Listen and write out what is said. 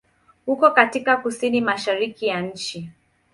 Uko katika kusini-mashariki ya nchi.